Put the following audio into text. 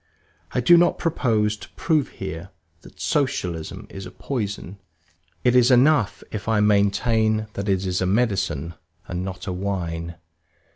I do not propose to prove here that Socialism is a poison; it is enough if I maintain that it is a medicine and not a wine.